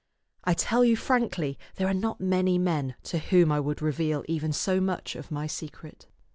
I tell you frankly there are not many men to whom I would reveal even so much of my secret.